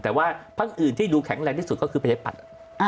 แต่ว่าพักอื่นที่ดูแข็งแรงที่สุดก็คือประชาธิปัตย์